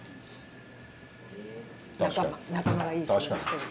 確かに仲間がいい仕事してる